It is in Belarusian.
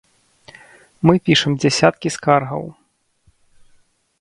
Мы пішам дзясяткі скаргаў.